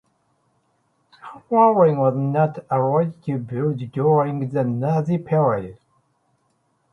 Haring was not allowed to build during the Nazi period.